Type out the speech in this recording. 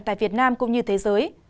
tại việt nam cũng như thế giới